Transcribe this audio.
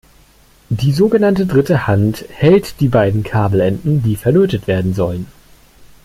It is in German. Die sogenannte Dritte Hand hält die beiden Kabelenden, die verlötet werden sollen.